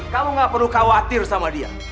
kamu gak perlu khawatir sama dia